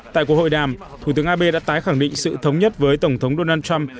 tại cuộc hội đàm thủ tướng abe đã tái khẳng định sự thống nhất với tổng thống donald trump